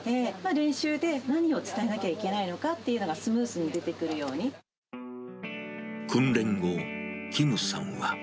練習で何を伝えなきゃいけないのかっていうのがスムースに出てく訓練後、キムさんは。